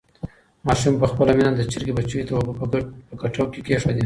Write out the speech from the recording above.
ماشوم په خپله مینه د چرګې بچیو ته اوبه په کټو کې کېښودې.